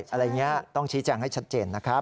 อะไรอย่างนี้ต้องชี้แจงให้ชัดเจนนะครับ